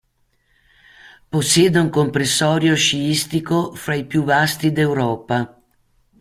Possiede un comprensorio sciistico fra i più vasti d'Europa.